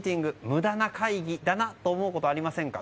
無駄な会議だなと思うことありませんか？